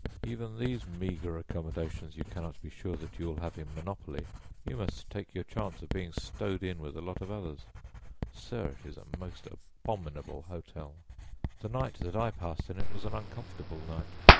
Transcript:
Even these meager accommodations you cannot be sure that you will have in monopoly; you must take your chance of being stowed in with a lot of others. Sir, it is a most abominable hotel. "The night that I passed in it was an uncomfortable night.